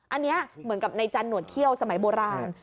อันนี้เหมือนกับในจันหนวดเขี้ยวสมัยโบราณ